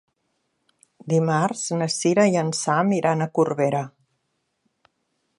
Dimarts na Sira i en Sam iran a Corbera.